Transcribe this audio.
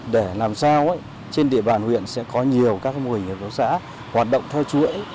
để làm sao trên địa bàn huyện sẽ có nhiều các mô hình hợp tác xã hoạt động theo chuỗi